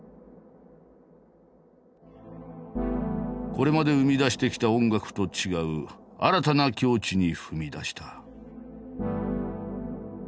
これまで生み出してきた音楽と違う新たな境地に踏み出した。